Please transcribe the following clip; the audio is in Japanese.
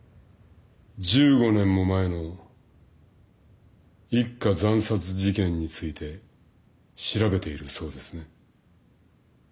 １５年も前の一家惨殺事件について調べているそうですね？